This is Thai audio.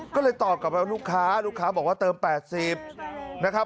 ก็เลยตอบกลับไปว่าลูกค้าลูกค้าบอกว่าเติม๘๐นะครับ